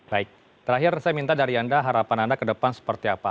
baik terakhir saya minta dari anda harapan anda ke depan seperti apa